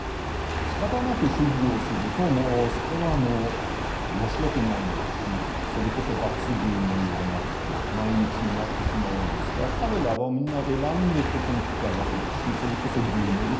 しかたなく修行するともうそれはもう面白くないんですしそれこそ罰ゲームのような毎日になってしまうんですが彼らはみんな選んでここに来たわけですしそれこそゲームを一服したい。